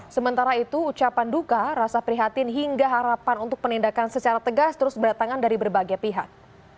sementara itu ucapan duka rasa prihatin hingga harapan untuk penindakan secara tegas terus berdatangan dari berbagai pihak